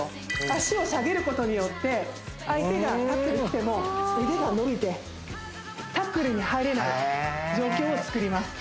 足を下げることによって相手がタックル来ても腕が伸びてタックルに入れない状況を作ります